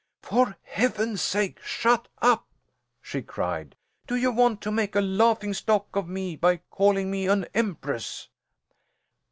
"For heaven's sake, shut up!" she cried. "Do you want to make a laughing stock of me by calling me an empress?"